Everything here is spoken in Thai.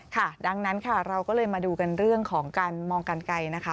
ค่ะดังนั้นค่ะเราก็เลยมาดูกันเรื่องของการมองกันไกลนะคะ